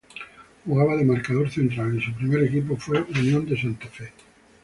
Jugaba de marcador central y su primer equipo fue Unión de Santa Fe.